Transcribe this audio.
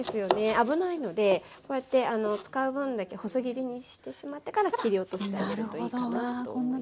危ないのでこうやって使う分だけ細切りにしてしまってから切り落としてあげるといいかなと思います。